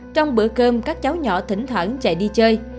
trong bữa cơm các cháu nhỏ thỉnh thoản chạy đi chơi